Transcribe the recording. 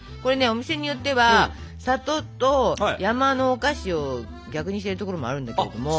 お店によっては「里」と「山」のお菓子を逆にしてるところもあるんだけれども。